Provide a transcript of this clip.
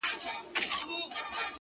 دا د یزید او کربلا لښکري!.